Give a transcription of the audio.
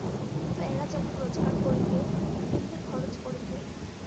কিন্তু এরা যেমন রোজগার করিতে, তেমনি খরচ করিতে।